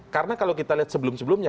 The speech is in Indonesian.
karena kalau kita lihat sebelum sebelumnya